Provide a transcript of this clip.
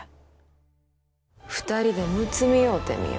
２人でむつみ合うてみよ。